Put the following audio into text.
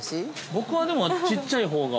◆僕はでも、ちっちゃいほうが。